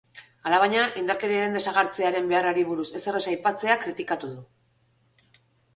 Alabaina, indarkeriaren desagertzearen beharrari buruz ezer ez aipatzea kritikatu du.